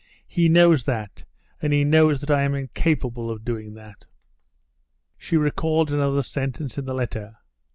He knows that, and knows that I am incapable of doing that." She recalled another sentence in the letter.